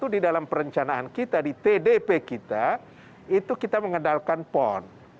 dua ribu dua puluh satu di dalam perencanaan kita di tdp kita itu kita mengendalikan pon